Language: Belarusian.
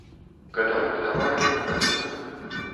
Каталог тавараў не працуе.